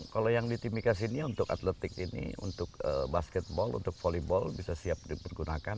kalau yang di timika sini untuk atletik ini untuk basketball untuk volleyball bisa siap dipergunakan